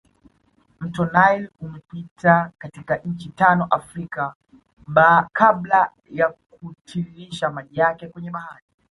Mto nile umepita katika nchi tano Afrika kabla ya kutiririsha maji yake kwenye bahari